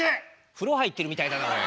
風呂入ってるみたいだなおい！